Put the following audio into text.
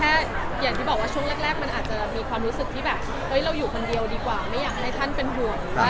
แต่แค่เหมือนอยากจะบอกว่าช่วงแรกมันมีความรู้สึกแบบเราอยู่คนเดียวดีกว่าไม่อยากให้ท่านเป็นห่วง